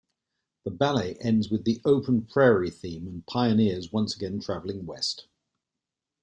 The ballet ends with the 'open prairie' theme and pioneers once again travelling West.